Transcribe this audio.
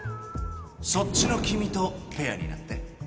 そっちの君とペアになって